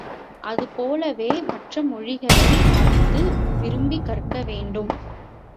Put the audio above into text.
அது போலவே, மற்றமொழிகளை மதித்து விரும்பிக் கற்க வேண்டும்.